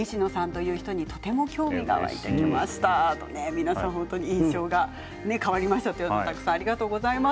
皆さん印象が変わりましたと、たくさんありがとうございます。